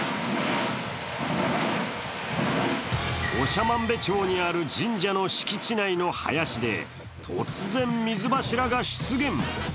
長万部町にある神社の敷地内の林で突然、水柱が出現。